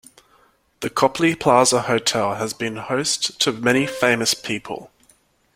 The Copley Plaza Hotel has been host to many famous people.